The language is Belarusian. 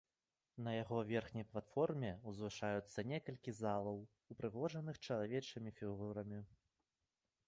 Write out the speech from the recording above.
На яго верхняй платформе ўзвышаюцца некалькі залаў, упрыгожаных чалавечымі фігурамі.